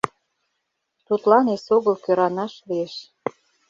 Тудлан эсогыл кӧранаш лиеш.